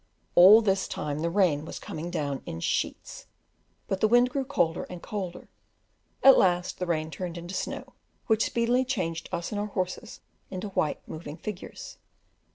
All this time the rain was coming down in sheets, but the wind grew colder and colder; at last the rain turned into snow, which speedily changed us and our horses into white moving figures.